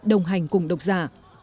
đồng hành cùng độc giả